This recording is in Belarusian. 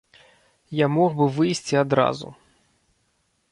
Я мог бы выйсці адразу.